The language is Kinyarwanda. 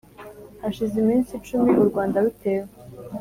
hashize iminsi icumi u rwanda rutewe,